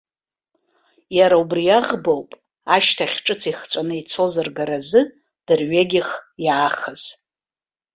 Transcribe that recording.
Иара убри аӷбоуп ашьҭахь ҿыц ихҵәаны ицоз ргаразы дырҩегьых иаахыз.